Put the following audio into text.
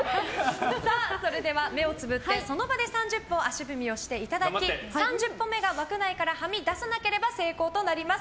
それでは目をつぶって、その場で３０歩足踏みをしていただき３０歩目が枠内からはみ出さなければ成功となります。